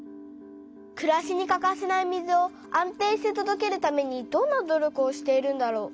くらしにかかせない水を安定してとどけるためにどんな努力をしているんだろう。